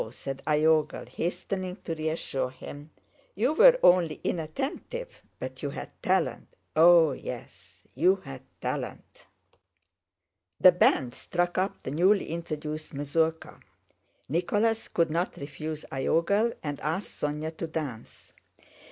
said Iogel, hastening to reassure him. "You were only inattentive, but you had talent—oh yes, you had talent!" The band struck up the newly introduced mazurka. Nicholas could not refuse Iogel and asked Sónya to dance.